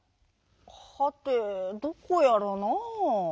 はてどこやらなあ。